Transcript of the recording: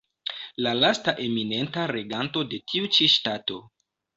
La lasta eminenta reganto de tiu ĉi ŝtato.